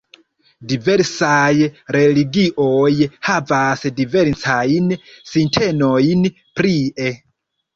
Diversaj religioj havas diferencajn sintenojn prie.